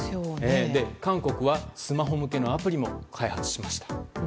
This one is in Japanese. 韓国はスマホ向けのアプリも開発しました。